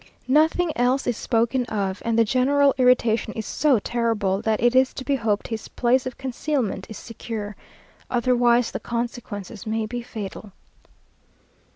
Nothing else is spoken of, and the general irritation is so terrible, that it is to be hoped his place of concealment is secure; otherwise the consequences may be fatal.